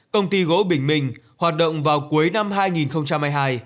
công ty gỗ bình minh hoạt động vào cuối năm hai nghìn hai mươi hai